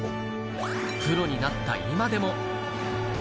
プロになった今でも。